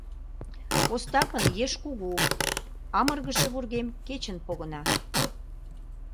Остапын еш кугу, амыргыше вургем кечын погына.